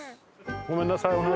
ごめんなさい。